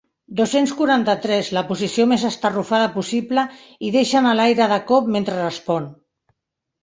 Dos-cents quaranta-tres la posició més estarrufada possible i deixa anar l'aire de cop mentre respon.